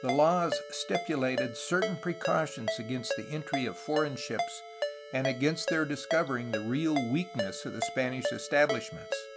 The laws stipulated certain precautions against the entry of foreign ships and against their discovering the real weakness of the Spanish estabhshments.